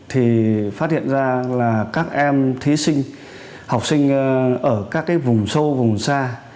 thì phát hiện ra là các em thí sinh học sinh ở các cái vùng sâu vùng xa